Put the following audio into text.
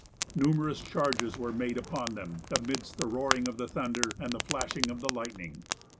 Numerous charges were made upon them, amidst the roaring of the thunder and the flashing of the lightning.